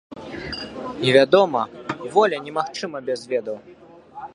І, вядома, воля немагчыма без ведаў.